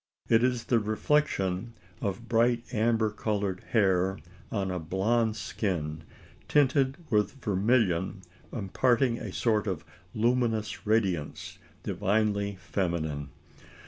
It is the reflection of bright amber coloured hair on a blonde skin, tinted with vermilion imparting a sort of luminous radiance divinely feminine.